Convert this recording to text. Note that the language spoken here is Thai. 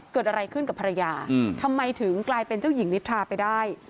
เกิดอะไรขึ้นกับภรรยาทำไมถึงกลายเป็นเจ้าหญิงนิทราไปได้